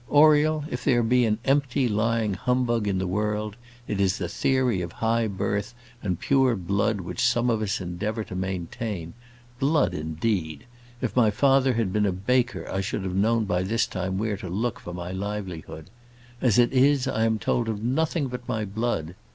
Oriel, if there be an empty, lying humbug in the world, it is the theory of high birth and pure blood which some of us endeavour to maintain. Blood, indeed! If my father had been a baker, I should know by this time where to look for my livelihood. As it is, I am told of nothing but my blood.